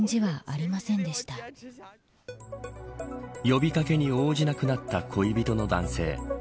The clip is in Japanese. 呼び掛けに応じなくなった恋人の男性。